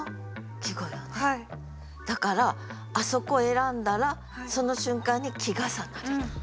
だからあそこ選んだらその瞬間に季重なりなの。